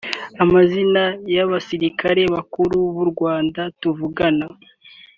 amazina y’abasirikare bakuru b’u Rwanda tuvugana